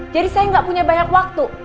jadi saya nggak punya banyak waktu